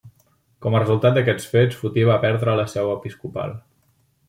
Com a resultat d'aquests fets, Fotí va perdre la seu episcopal.